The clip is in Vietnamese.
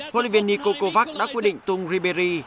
hlv nikolkovac đã quyết định tung ribéry